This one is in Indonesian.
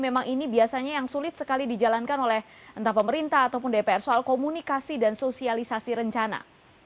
memang ini biasanya yang sulit sekali dijalankan oleh entah pemerintah ataupun dpr soal komunikasi dan sosialisasi rencana